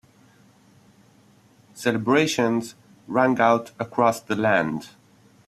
Celebrations rang out across the land.